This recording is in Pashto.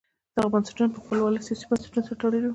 دغه بنسټونه په خپل وار له سیاسي بنسټونو سره تړلي وو.